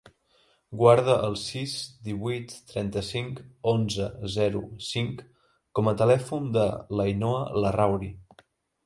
Guarda el sis, divuit, trenta-cinc, onze, zero, cinc com a telèfon de l'Ainhoa Larrauri.